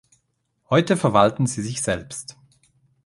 Heute verwalten sie sich selbst.